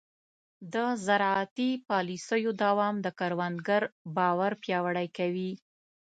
د زراعتي پالیسیو دوام د کروندګر باور پیاوړی کوي.